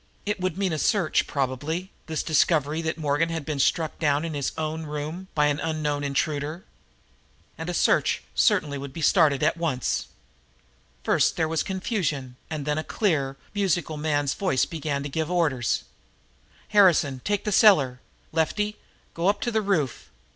It would mean a search, probably, this discovery that Morgan had been struck down in his own room by an unknown intruder. And a search certainly would be started at once. First there was confusion, and then a clear, musical man's voice began to give orders: "Harrison, take the cellar. Lefty, go up to the roof.